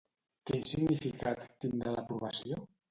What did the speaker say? Quin significat tindrà l'aprovació?